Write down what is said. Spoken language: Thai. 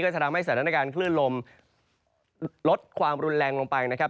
จะทำให้สถานการณ์คลื่นลมลดความรุนแรงลงไปนะครับ